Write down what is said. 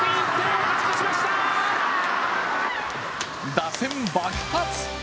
打線爆発！